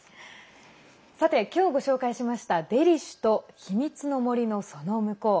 さて、今日ご紹介しました「デリシュ！」と「秘密の森の、その向こう」。